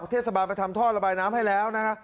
เทศบาลไปทำท่อระบายน้ำให้แล้วนะฮะ